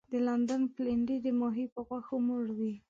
د لندن پلنډي د ماهي په غوښو موړ وي.